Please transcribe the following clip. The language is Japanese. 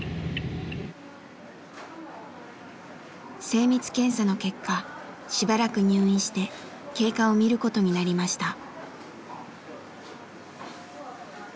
精密検査の結果しばらく入院して経過を見ることになりました。